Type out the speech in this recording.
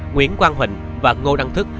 nguyễn quang huỳnh và ngô đăng thức